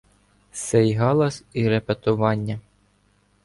Сей галас і репетовання